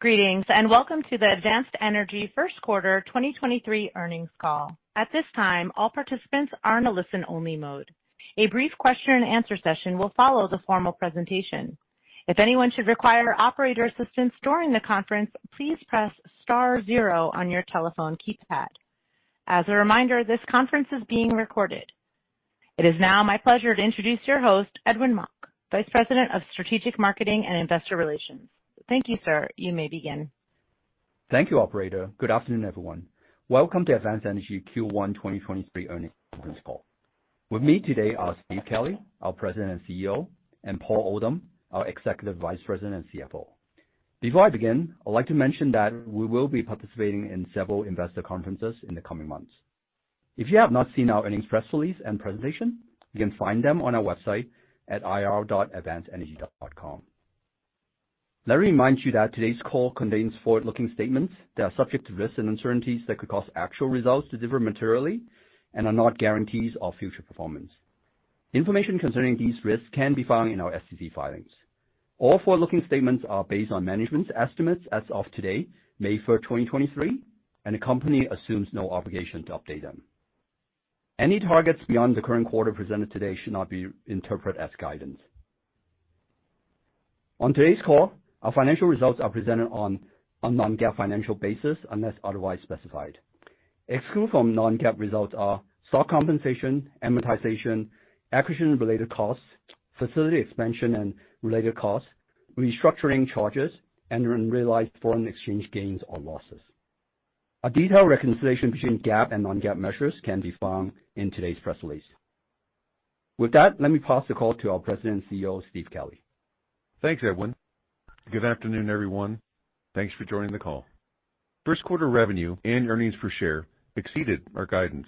Greetings, Welcome to the Advanced Energy First Quarter 2023 Earnings Call. At this time, all participants are in a listen-only mode. A brief question-and-answer session will follow the formal presentation. If anyone should require operator assistance during the conference, please press star zero on your telephone keypad. As a reminder, this conference is being recorded. It is now my pleasure to introduce your host, Edwin Mok, Vice President of Strategic Marketing and Investor Relations. Thank you, sir. You may begin. Thank you, operator. Good afternoon, everyone. Welcome to Advanced Energy Q1 2023 Earnings Conference Call. With me today are Steve Kelley, our President and CEO, and Paul Oldham, our Executive Vice President and CFO. Before I begin, I'd like to mention that we will be participating in several investor conferences in the coming months. If you have not seen our earnings press release and presentation, you can find them on our website at ir.advancedenergy.com. Let me remind you that today's call contains forward-looking statements that are subject to risks and uncertainties that could cause actual results to differ materially and are not guarantees of future performance. Information concerning these risks can be found in our SEC filings. All forward-looking statements are based on management's estimates as of today, May 3rd, 2023, and the company assumes no obligation to update them. Any targets beyond the current quarter presented today should not be interpreted as guidance. On today's call, our financial results are presented on a non-GAAP financial basis, unless otherwise specified. Excluded from non-GAAP results are stock compensation, amortization, acquisition-related costs, facility expansion and related costs, restructuring charges, and unrealized foreign exchange gains or losses. A detailed reconciliation between GAAP and non-GAAP measures can be found in today's press release. Let me pass the call to our President and CEO, Steve Kelley. Thanks, Edwin. Good afternoon, everyone. Thanks for joining the call. First quarter revenue and earnings per share exceeded our guidance.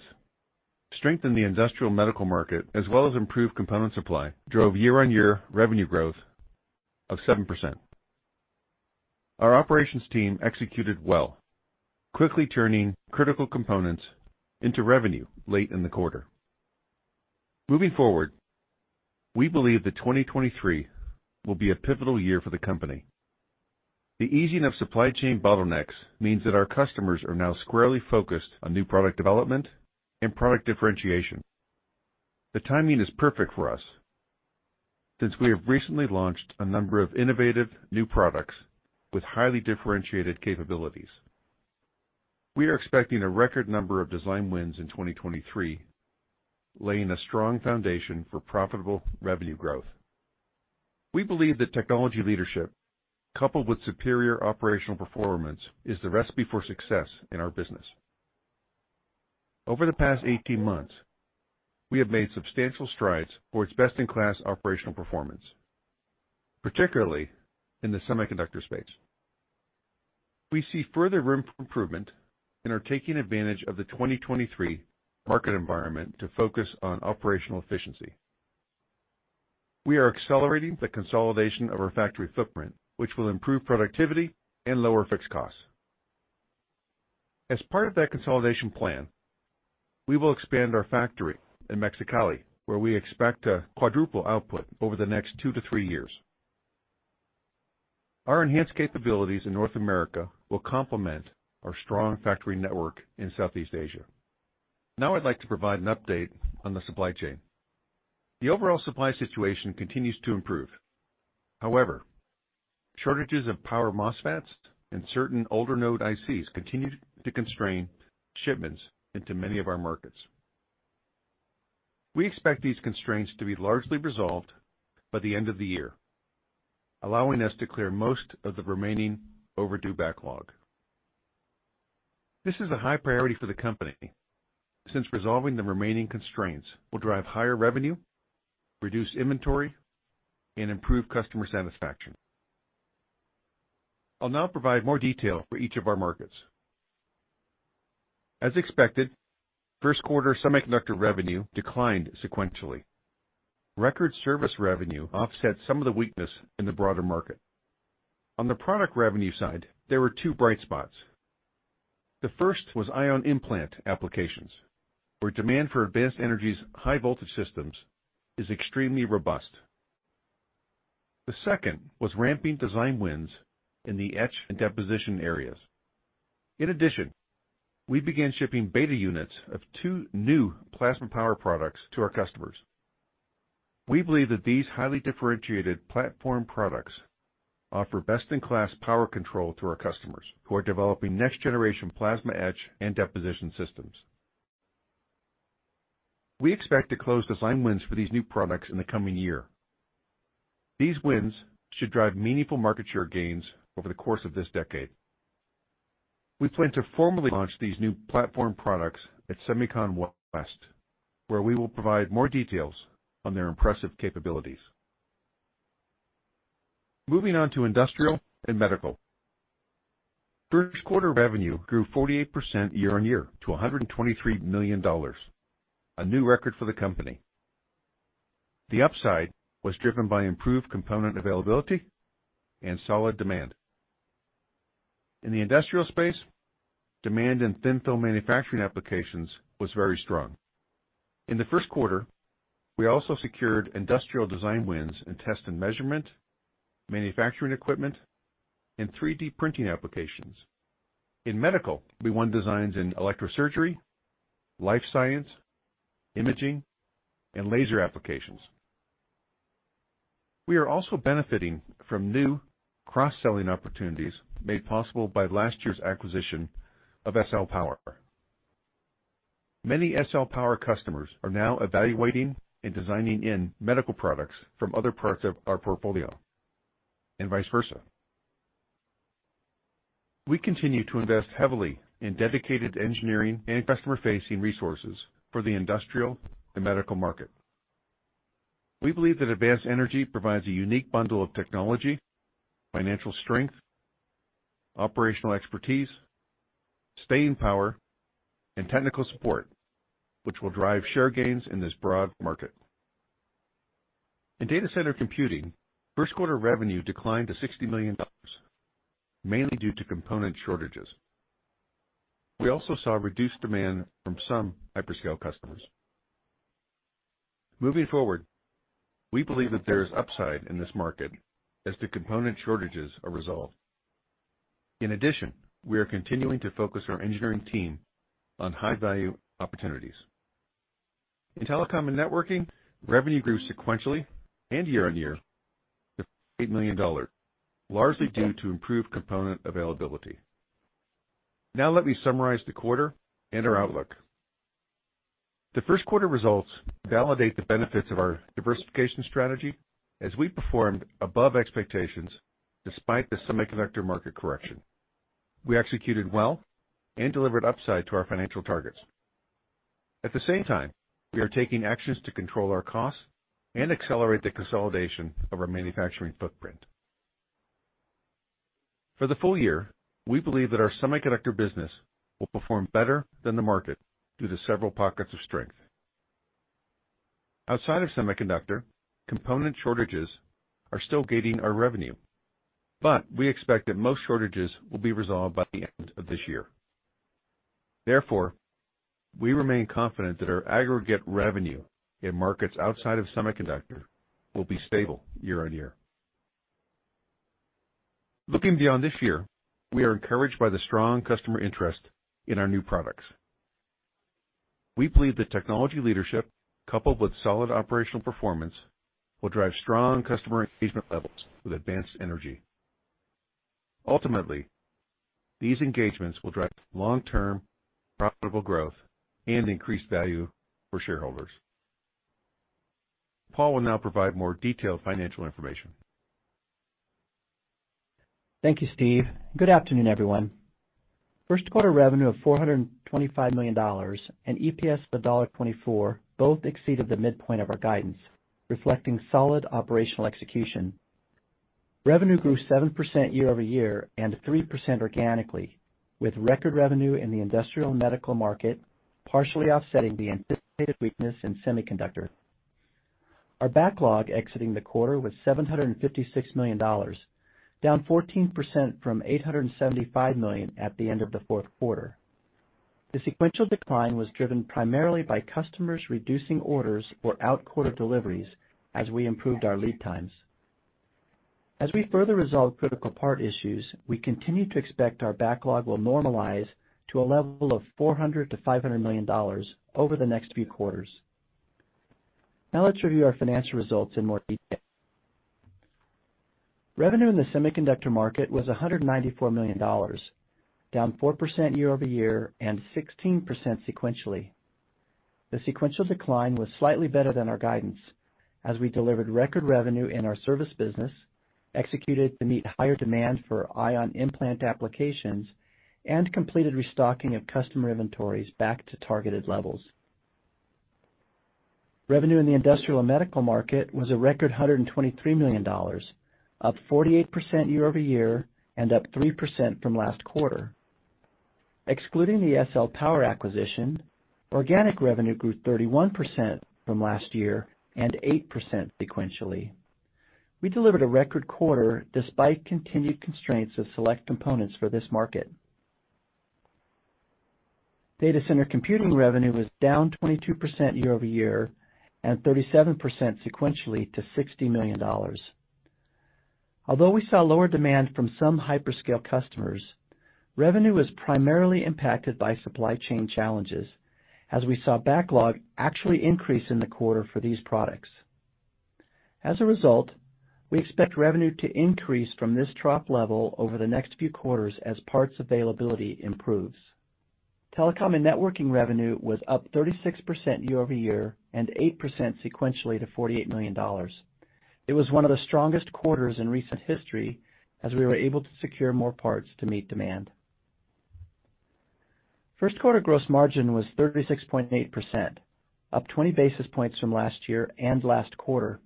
Strength in the industrial medical market, as well as improved component supply, drove year-on-year revenue growth of 7%. Our operations team executed well, quickly turning critical components into revenue late in the quarter. Moving forward, we believe that 2023 will be a pivotal year for the company. The easing of supply chain bottlenecks means that our customers are now squarely focused on new product development and product differentiation. The timing is perfect for us since we have recently launched a number of innovative new products with highly differentiated capabilities. We are expecting a record number of design wins in 2023, laying a strong foundation for profitable revenue growth. We believe that technology leadership, coupled with superior operational performance, is the recipe for success in our business. Over the past 18 months, we have made substantial strides towards best-in-class operational performance, particularly in the semiconductor space. We see further room for improvement and are taking advantage of the 2023 market environment to focus on operational efficiency. We are accelerating the consolidation of our factory footprint, which will improve productivity and lower fixed costs. As part of that consolidation plan, we will expand our factory in Mexicali, where we expect to quadruple output over the next 2-3 years. Our enhanced capabilities in North America will complement our strong factory network in Southeast Asia. Now I'd like to provide an update on the supply chain. The overall supply situation continues to improve. However, shortages of power MOSFETs and certain older node ICs continue to constrain shipments into many of our markets. We expect these constraints to be largely resolved by the end of the year, allowing us to clear most of the remaining overdue backlog. This is a high priority for the company since resolving the remaining constraints will drive higher revenue, reduce inventory, and improve customer satisfaction. I'll now provide more detail for each of our markets. As expected, first quarter semiconductor revenue declined sequentially. Record service revenue offset some of the weakness in the broader market. On the product revenue side, there were two bright spots. The first was ion implant applications, where demand for Advanced Energy's high voltage systems is extremely robust. The second was ramping design wins in the etch and deposition areas. In addition, we began shipping beta units of two new plasma power products to our customers. We believe that these highly differentiated platform products offer best-in-class power control to our customers who are developing next-generation plasma etch and deposition systems. We expect to close design wins for these new products in the coming year. These wins should drive meaningful market share gains over the course of this decade. We plan to formally launch these new platform products at SEMICON West, where we will provide more details on their impressive capabilities. Moving on to industrial and medical. First quarter revenue grew 48% year-over-year to $123 million, a new record for the company. The upside was driven by improved component availability and solid demand. In the industrial space, demand in thin film manufacturing applications was very strong. In the first quarter, we also secured industrial design wins in test and measurement, manufacturing equipment, and 3D printing applications. In medical, we won designs in electrosurgery, life science, imaging, and laser applications. We are also benefiting from new cross-selling opportunities made possible by last year's acquisition of SL Power. Many SL Power customers are now evaluating and designing in medical products from other parts of our portfolio and vice versa. We continue to invest heavily in dedicated engineering and customer-facing resources for the industrial and medical market. We believe that Advanced Energy provides a unique bundle of technology, financial strength, operational expertise, staying power, and technical support, which will drive share gains in this broad market. In data center computing, first quarter revenue declined to $60 million, mainly due to component shortages. We also saw reduced demand from some hyperscale customers. Moving forward, we believe that there is upside in this market as the component shortages are resolved. In addition, we are continuing to focus our engineering team on high-value opportunities. In telecom and networking, revenue grew sequentially and year-on-year to $8 million, largely due to improved component availability. Now let me summarize the quarter and our outlook. The first quarter results validate the benefits of our diversification strategy as we performed above expectations despite the semiconductor market correction. We executed well and delivered upside to our financial targets. At the same time, we are taking actions to control our costs and accelerate the consolidation of our manufacturing footprint. For the full year, we believe that our semiconductor business will perform better than the market due to several pockets of strength. Outside of semiconductor, component shortages are still gating our revenue, but we expect that most shortages will be resolved by the end of this year. We remain confident that our aggregate revenue in markets outside of semiconductor will be stable year-on-year. Looking beyond this year, we are encouraged by the strong customer interest in our new products. We believe that technology leadership coupled with solid operational performance will drive strong customer engagement levels with Advanced Energy. These engagements will drive long-term profitable growth and increased value for shareholders. Paul will now provide more detailed financial information. Thank you, Steve. Good afternoon, everyone. First quarter revenue of $425 million and EPS of $1.24 both exceeded the midpoint of our guidance, reflecting solid operational execution. Revenue grew 7% year-over-year and 3% organically, with record revenue in the industrial and medical market partially offsetting the anticipated weakness in semiconductor. Our backlog exiting the quarter was $756 million, down 14% from $875 million at the end of the fourth quarter. The sequential decline was driven primarily by customers reducing orders for outquarter deliveries as we improved our lead times. As we further resolve critical part issues, we continue to expect our backlog will normalize to a level of $400 million-$500 million over the next few quarters. Now let's review our financial results in more detail. Revenue in the semiconductor market was $194 million, down 4% year-over-year and 16% sequentially. The sequential decline was slightly better than our guidance as we delivered record revenue in our service business, executed to meet higher demand for ion implant applications, and completed restocking of customer inventories back to targeted levels. Revenue in the industrial and medical market was a record $123 million, up 48% year-over-year and up 3% from last quarter. Excluding the SL Power acquisition, organic revenue grew 31% from last year and 8% sequentially. We delivered a record quarter despite continued constraints of select components for this market. Data center computing revenue was down 22% year-over-year and 37% sequentially to $60 million. Although we saw lower demand from some hyperscale customers, revenue was primarily impacted by supply chain challenges as we saw backlog actually increase in the quarter for these products. As a result, we expect revenue to increase from this trough level over the next few quarters as parts availability improves. Telecom and networking revenue was up 36% year-over-year and 8% sequentially to $48 million. It was one of the strongest quarters in recent history as we were able to secure more parts to meet demand. First quarter gross margin was 36.8%, up 20 basis points from last year and last quarter.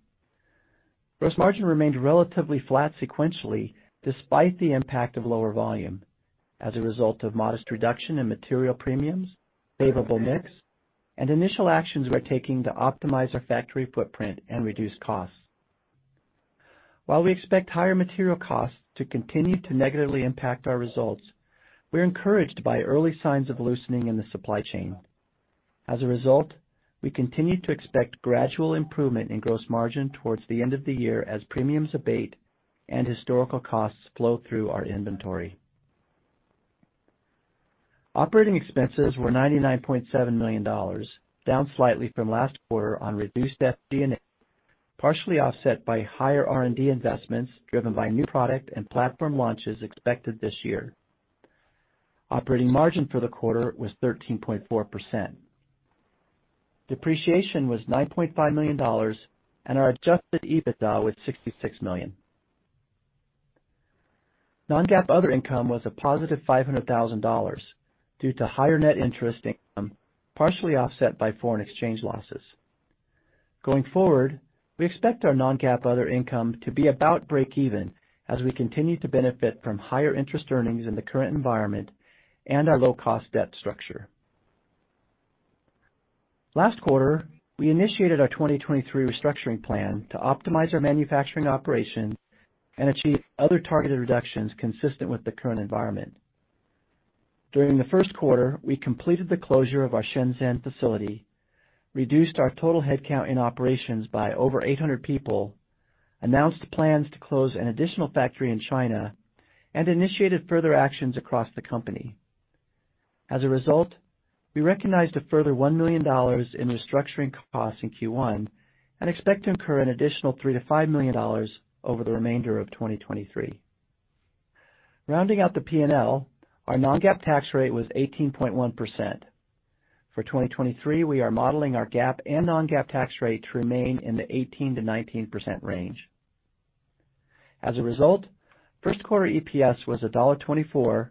Gross margin remained relatively flat sequentially, despite the impact of lower volume as a result of modest reduction in material premiums, favorable mix, and initial actions we're taking to optimize our factory footprint and reduce costs. We expect higher material costs to continue to negatively impact our results, we're encouraged by early signs of loosening in the supply chain. We continue to expect gradual improvement in gross margin towards the end of the year as premiums abate and historical costs flow through our inventory. Operating expenses were $99.7 million, down slightly from last quarter on reduced SG&A, partially offset by higher R&D investments driven by new product and platform launches expected this year. Operating margin for the quarter was 13.4%. Depreciation was $9.5 million. Our Adjusted EBITDA was $66 million. Non-GAAP other income was a positive $500,000 due to higher net interest income, partially offset by foreign exchange losses. Going forward, we expect our non-GAAP other income to be about break even as we continue to benefit from higher interest earnings in the current environment and our low-cost debt structure. Last quarter, we initiated our 2023 restructuring plan to optimize our manufacturing operation and achieve other targeted reductions consistent with the current environment. During the first quarter, we completed the closure of our Shenzhen facility, reduced our total headcount in operations by over 800 people, announced plans to close an additional factory in China, and initiated further actions across the company. As a result, we recognized a further $1 million in restructuring costs in Q1 and expect to incur an additional $3 million-$5 million over the remainder of 2023. Rounding out the P&L, our non-GAAP tax rate was 18.1%. For 2023, we are modeling our GAAP and non-GAAP tax rate to remain in the 18%-19% range. As a result, first quarter EPS was $1.24,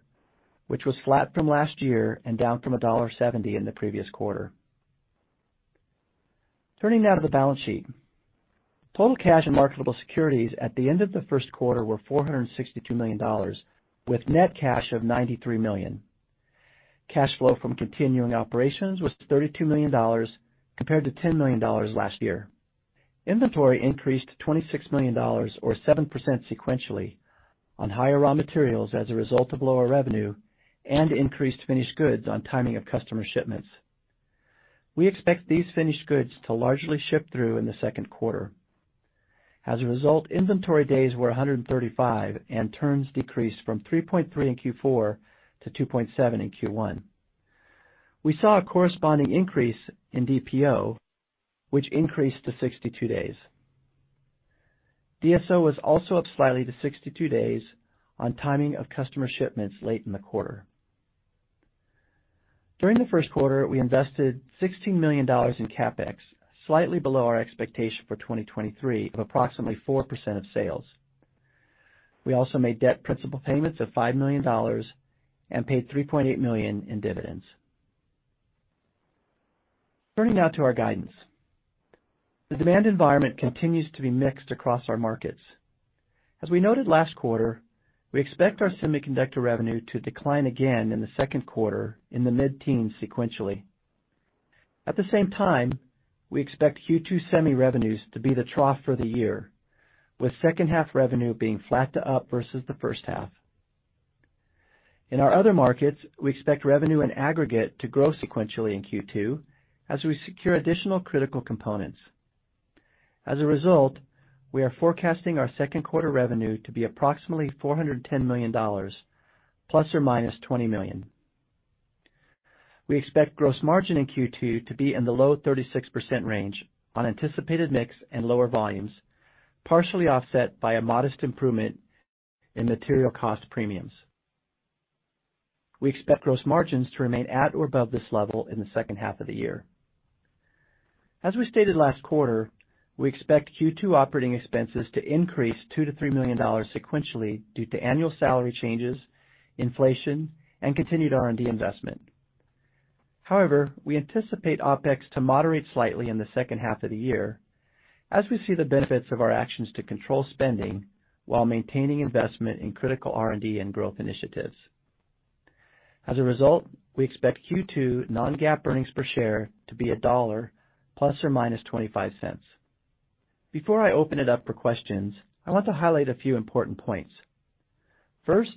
which was flat from last year and down from $1.70 in the previous quarter. Turning now to the balance sheet. Total cash and marketable securities at the end of the first quarter were $462 million, with net cash of $93 million. Cash flow from continuing operations was $32 million compared to $10 million last year. Inventory increased $26 million or 7% sequentially on higher raw materials as a result of lower revenue and increased finished goods on timing of customer shipments. We expect these finished goods to largely ship through in the second quarter. As a result, inventory days were 135, and turns decreased from 3.3 in Q4 to 2.7 in Q1. We saw a corresponding increase in DPO, which increased to 62 days. DSO was also up slightly to 62 days on timing of customer shipments late in the quarter. During the first quarter, we invested $16 million in CapEx, slightly below our expectation for 2023 of approximately 4% of sales. We also made debt principal payments of $5 million and paid $3.8 million in dividends. Turning now to our guidance. The demand environment continues to be mixed across our markets. As we noted last quarter, we expect our semiconductor revenue to decline again in the second quarter in the mid-teens sequentially. At the same time, we expect Q2 semi revenues to be the trough for the year, with second half revenue being flat to up versus the first half. In our other markets, we expect revenue and aggregate to grow sequentially in Q2 as we secure additional critical components. As a result, we are forecasting our second quarter revenue to be approximately $410 million ±$20 million. We expect gross margin in Q2 to be in the low 36% range on anticipated mix and lower volumes, partially offset by a modest improvement in material cost premiums. We expect gross margins to remain at or above this level in the second half of the year. As we stated last quarter, we expect Q2 operating expenses to increase $2 million-$3 million sequentially due to annual salary changes, inflation, and continued R&D investment. We anticipate OpEx to moderate slightly in the 2nd half of the year as we see the benefits of our actions to control spending while maintaining investment in critical R&D and growth initiatives. As a result, we expect Q2 non-GAAP earnings per share to be $1.00 ±$0.25. Before I open it up for questions, I want to highlight a few important points. First,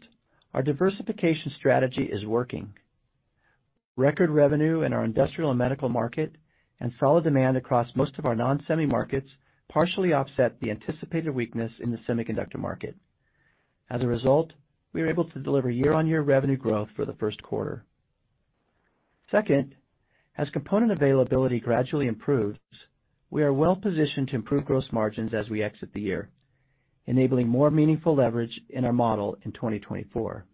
our diversification strategy is working. Record revenue in our industrial and medical market and solid demand across most of our non-semi markets partially offset the anticipated weakness in the semiconductor market. As a result, we are able to deliver year-on-year revenue growth for the 1st quarter. Second, as component availability gradually improves, we are well-positioned to improve gross margins as we exit the year, enabling more meaningful leverage in our model in 2024.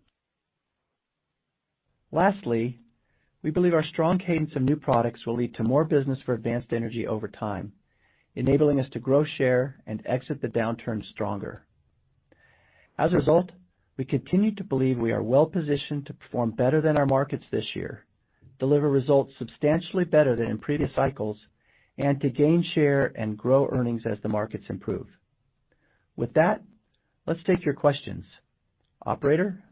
Lastly, we believe our strong cadence of new products will lead to more business for Advanced Energy over time, enabling us to grow share and exit the downturn stronger. As a result, we continue to believe we are well-positioned to perform better than our markets this year, deliver results substantially better than in previous cycles, and to gain share and grow earnings as the markets improve. With that, let's take your questions. Operator?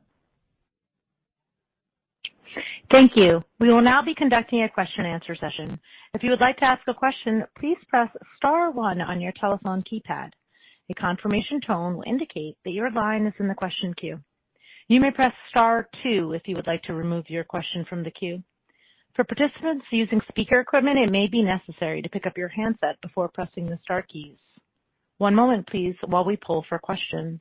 Thank you. We will now be conducting a question-and-answer session. If you would like to ask a question, please press star one on your telephone keypad. A confirmation tone will indicate that your line is in the question queue. You may press star two if you would like to remove your question from the queue. For participants using speaker equipment, it may be necessary to pick up your handset before pressing the star keys. One moment please while we pull for questions.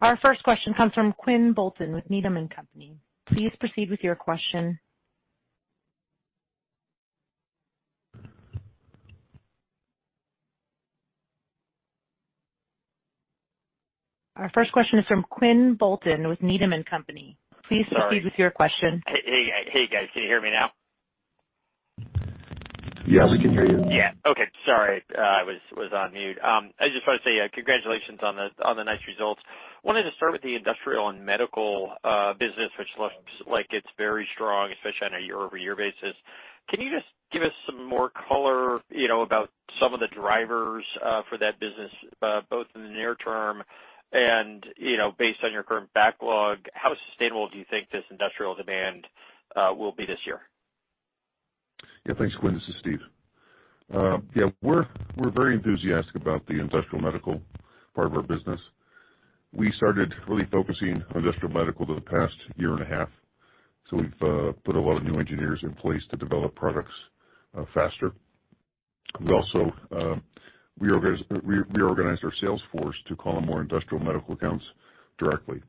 Our first question comes from Quinn Bolton with Needham & Company. Please proceed with your question. Our first question is from Quinn Bolton with Needham & Company. Please proceed with your question. Hey, hey guys, can you hear me now? Yeah, we can hear you. Yeah. Okay, sorry. I was on mute. I just want to say congratulations on the nice results. Wanted to start with the industrial and medical business, which looks like it's very strong, especially on a year-over-year basis. Can you just give us some more color, you know, about some of the drivers for that business, both in the near term and, you know, based on your current backlog, how sustainable do you think this industrial demand will be this year? Thanks, Quinn. This is Steve. We're very enthusiastic about the Industrial Medical part of our business. We started really focusing on Industrial Medical for the past year and a half, so we've put a lot of new engineers in place to develop products faster. We also reorganized our sales force to call on more Industrial Medical accounts directly.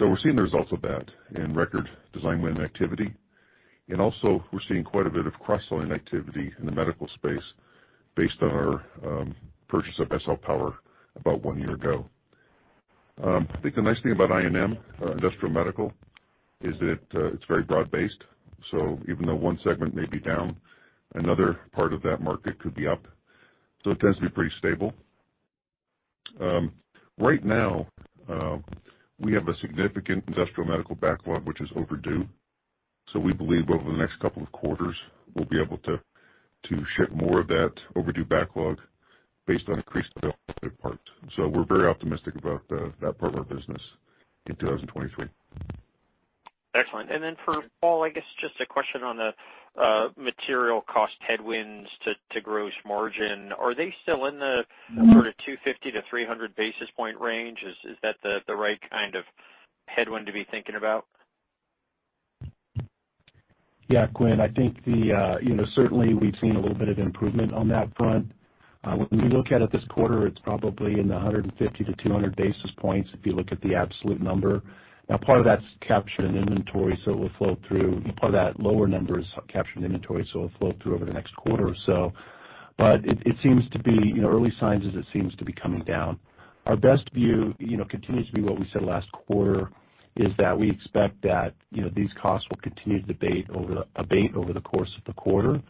We're seeing the results of that in record design win activity. Also, we're seeing quite a bit of cross-selling activity in the medical space based on our purchase of SL Power about one year ago. I think the nice thing about IM, Industrial Medical, is that it's very broad-based. Even though one segment may be down, another part of that market could be up. It tends to be pretty stable. Right now, we have a significant industrial medical backlog, which is overdue. We believe over the next couple of quarters, we'll be able to ship more of that overdue backlog based on increased available parts. We're very optimistic about that part of our business in 2023. Excellent. For Paul, I guess just a question on the material cost headwinds to gross margin. Are they still in the sort of 250-300 basis points range? Is that the right kind of headwind to be thinking about? Quinn, I think the, you know, certainly we've seen a little bit of improvement on that front. When we look at it this quarter, it's probably in the 150 to 200 basis points if you look at the absolute number. Part of that's captured in inventory, so it will flow through. Part of that lower number is captured in inventory, so it will flow through over the next quarter or so. It seems to be, you know, early signs as it seems to be coming down. Our best view, you know, continues to be what we said last quarter, is that we expect that, you know, these costs will continue to abate over the course of the quarter,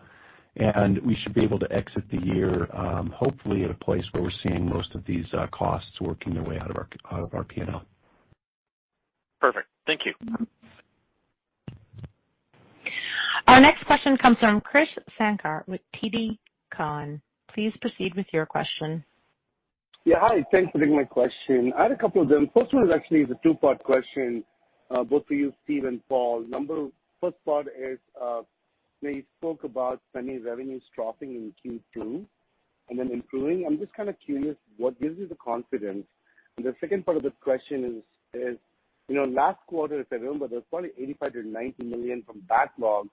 and we should be able to exit the year, hopefully at a place where we're seeing most of these costs working their way out of our P&L. Perfect. Thank you. Our next question comes from Krish Sankar with TD Cowen. Please proceed with your question. Yeah, hi. Thanks for taking my question. I had a couple of them. First one is actually is a two-part question, both for you, Steve and Paul. First part is, when you spoke about semi revenues dropping in Q2 and then improving, I'm just kind of curious what gives you the confidence? The second part of the question is, you know, last quarter, if I remember, there was probably $85 million-$90 million from backlog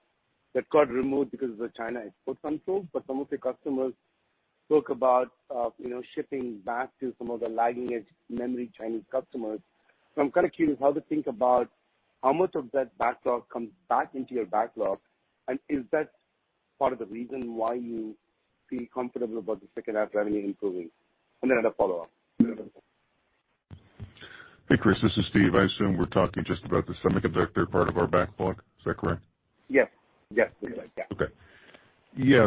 that got removed because of the China export controls. Some of your customers spoke about, you know, shipping back to some of the lagging edge memory Chinese customers. I'm kind of curious how to think about how much of that backlog comes back into your backlog, and is that part of the reason why you feel comfortable about the second half revenue improving? I have a follow-up. Hey, Krish, this is Steve. I assume we're talking just about the semiconductor part of our backlog. Is that correct? Yes. Yes. Okay. Yeah.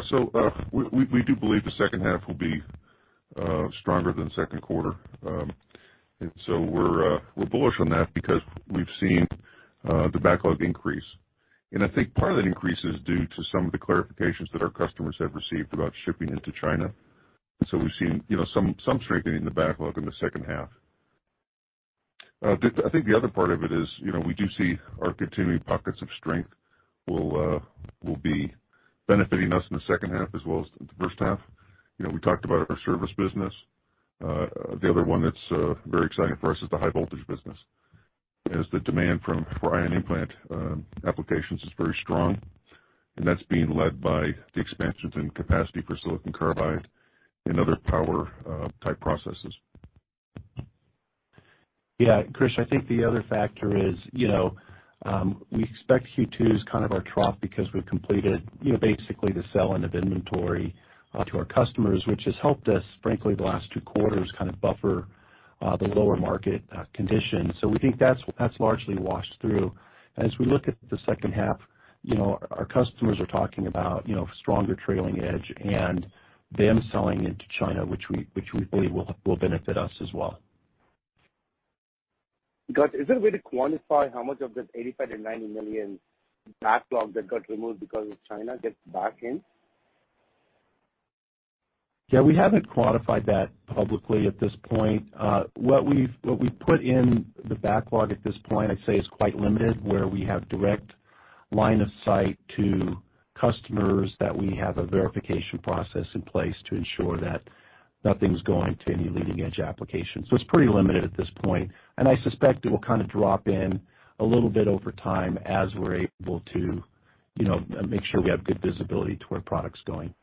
We do believe the second half will be stronger than second quarter. We're bullish on that because we've seen the backlog increase. I think part of that increase is due to some of the clarifications that our customers have received about shipping into China. We've seen, you know, some strengthening in the backlog in the second half. I think the other part of it is, you know, we do see our continuing pockets of strength will be benefiting us in the second half as well as the first half. You know, we talked about our service business. The other one that's very exciting for us is the high voltage business as the demand for ion implant applications is very strong. That's being led by the expansions in capacity for silicon carbide and other power type processes. Krish, I think the other factor is, you know, we expect Q2 as kind of our trough because we've completed, you know, basically the sell-in of inventory to our customers, which has helped us, frankly, the last 2 quarters kind of buffer the lower market conditions. We think that's largely washed through. As we look at the 2nd half, you know, our customers are talking about, you know, stronger trailing edge and them selling into China, which we believe will benefit us as well. Got. Is there a way to quantify how much of the $85 million-$90 million backlog that got removed because of China gets back in? Yeah, we haven't quantified that publicly at this point. What we've put in the backlog at this point, I'd say is quite limited, where we have direct line of sight to customers, that we have a verification process in place to ensure that nothing's going to any leading-edge applications. It's pretty limited at this point, and I suspect it will kind of drop in a little bit over time as we're able to, you know, make sure we have good visibility to where product's going.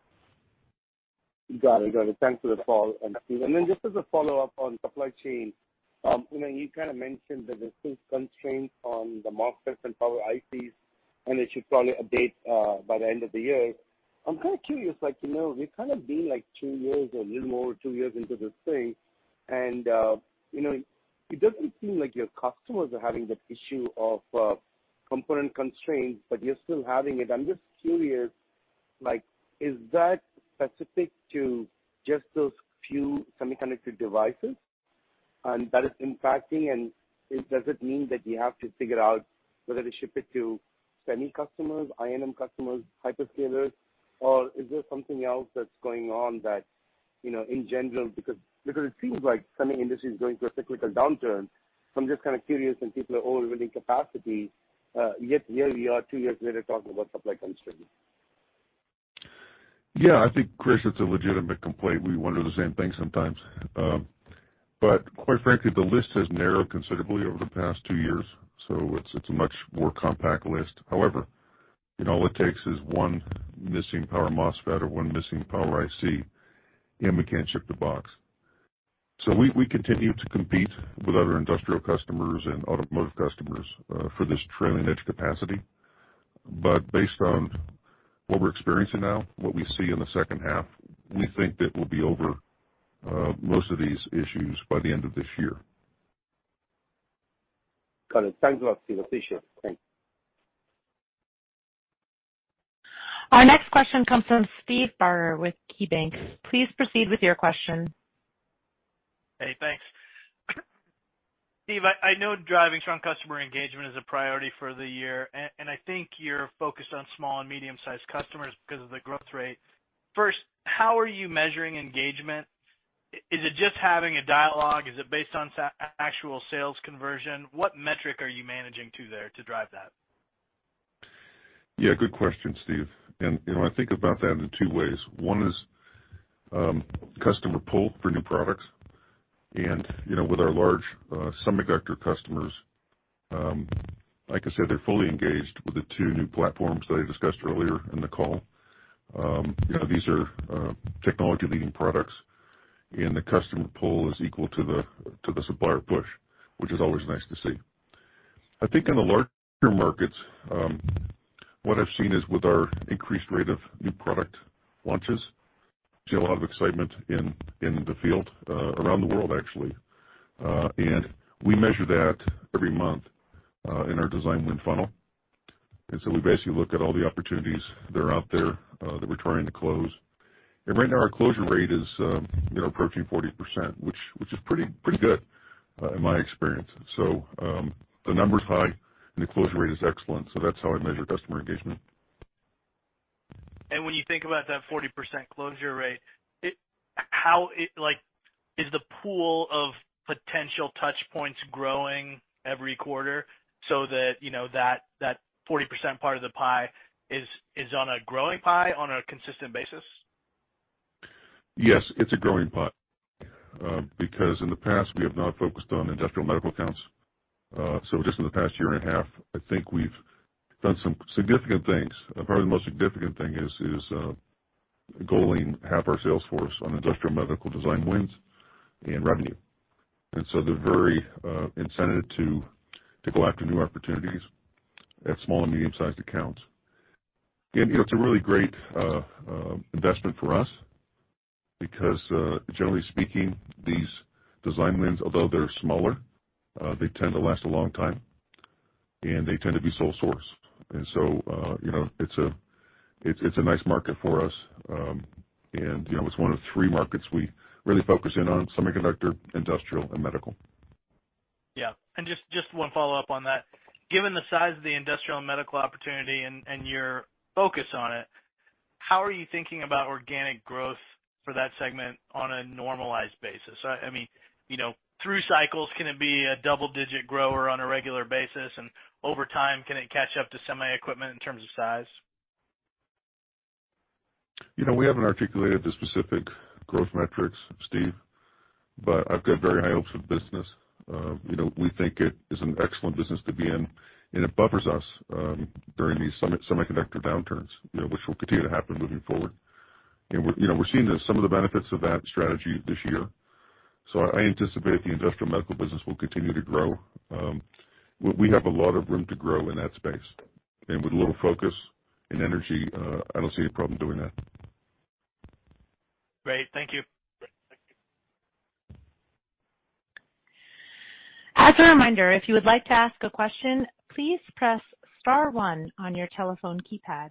Got it. Got it. Thanks for the call, Steve. Just as a follow-up on supply chain, you know, you kind of mentioned that there's still constraints on the MOSFETs and power ICs, and it should probably abate by the end of the year. I'm kind of curious, like, you know, we've kind of been like 2 years or a little more than 2 years into this thing, and, you know, it doesn't seem like your customers are having the issue of component constraints, but you're still having it. I'm just curious, like is that specific to just those few semiconductor devices, and that is impacting and does it mean that you have to figure out whether to ship it to semi customers, INM customers, hyperscalers, or is there something else that's going on that, you know, in general? It seems like semi industry is going through a cyclical downturn, so I'm just kind of curious when people are over capacity, yet here we are two years later talking about supply constraints. Yeah. I think, Krish, it's a legitimate complaint. We wonder the same thing sometimes. Quite frankly, the list has narrowed considerably over the past two years, so it's a much more compact list. However, all it takes is one missing power MOSFET or one missing power IC, and we can't ship the box. We, we continue to compete with other industrial customers and automotive customers, for this trailing edge capacity. Based on what we're experiencing now, what we see in the second half, we think that we'll be over most of these issues by the end of this year. Got it. Thanks a lot, Steve. Appreciate it. Thanks. Our next question comes from Steve Barger with KeyBanc. Please proceed with your question. Hey, thanks. Steve, I know driving strong customer engagement is a priority for the year, and I think you're focused on small and medium-sized customers because of the growth rate. First, how are you measuring engagement? Is it just having a dialogue? Is it based on actual sales conversion? What metric are you managing to there to drive that? Yeah, good question, Steve. You know, I think about that in two ways. One is customer pull for new products. You know, with our large semiconductor customers, like I said, they're fully engaged with the two new platforms that I discussed earlier in the call. You know, these are technology leading products, and the customer pull is equal to the supplier push, which is always nice to see. I think in the larger markets, what I've seen is with our increased rate of new product launches, see a lot of excitement in the field around the world actually. We measure that every month in our design win funnel. So we basically look at all the opportunities that are out there that we're trying to close. Right now, our closure rate is, you know, approaching 40%, which is pretty good, in my experience. The number's high and the closure rate is excellent, so that's how I measure customer engagement. When you think about that 40% closure rate, is the pool of potential touch points growing every quarter so that, you know, that 40% part of the pie is on a growing pie on a consistent basis? Yes, it's a growing pie. Because in the past we have not focused on industrial medical accounts. Just in the past 1.5 years, I think we've done some significant things. Probably the most significant thing is goaling half our sales force on industrial medical design wins and revenue. They're very incented to go after new opportunities at small and medium-sized accounts. You know, it's a really great investment for us because generally speaking, these design wins, although they're smaller, they tend to last a long time, and they tend to be sole source. So, you know, it's a nice market for us. You know, it's one of three markets we really focus in on: semiconductor, industrial, and medical. Yeah. Just one follow-up on that. Given the size of the industrial and medical opportunity and your focus on it, how are you thinking about organic growth for that segment on a normalized basis? I mean, you know, through cycles, can it be a double-digit grower on a regular basis? Over time, can it catch up to semi equipment in terms of size? You know, we haven't articulated the specific growth metrics, Steve, but I've got very high hopes for the business. You know, we think it is an excellent business to be in, and it buffers us, during these semiconductor downturns, you know, which will continue to happen moving forward. We're, you know, we're seeing some of the benefits of that strategy this year. I anticipate the industrial medical business will continue to grow. We have a lot of room to grow in that space. With a little focus and energy, I don't see any problem doing that. Great. Thank you. As a reminder, if you would like to ask a question, please press star one on your telephone keypad.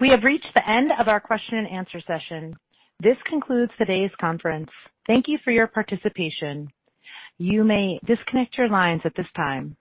We have reached the end of our question and answer session. This concludes today's conference. Thank you for your participation. You may disconnect your lines at this time.